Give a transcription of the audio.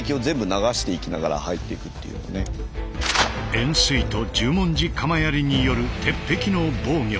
円錐と十文字鎌槍による鉄壁の防御。